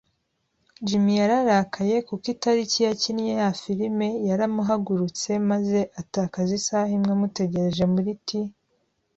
Jim yararakaye kuko itariki yakinnye ya firime yaramuhagurutse maze atakaza isaha imwe amutegereje muri t